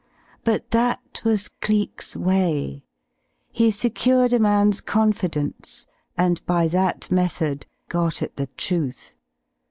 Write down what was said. But that was Cleek's way. He secured a man's confidence and by that method got at the truth.